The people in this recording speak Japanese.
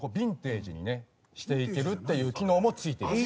っていう機能も付いています。